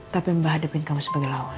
tapi membahadepin kamu sebagai lawan